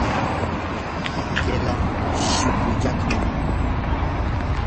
qaqlaa shipuyaykam.